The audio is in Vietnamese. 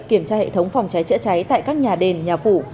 kiểm tra hệ thống phòng cháy chữa cháy tại các nhà đền nhà phủ